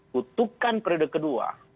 kutukan periode kedua